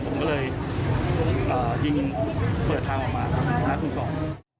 ผมก็เลยยิงเปิดทางออกมาหาคนร้อง